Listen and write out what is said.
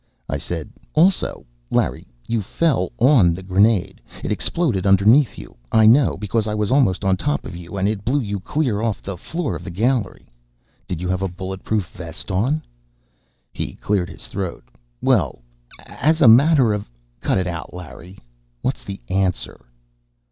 I said, "Also, Larry, you fell on the grenade. It exploded underneath you. I know, because I was almost on top of you, and it blew you clear off the floor of the gallery. Did you have a bulletproof vest on?" He cleared his throat. "Well, as a matter of " "Cut it out, Larry! What's the answer?"